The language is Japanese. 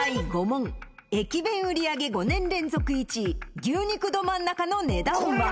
５問駅弁売り上げ５年連続１位牛肉どまん中の値段は？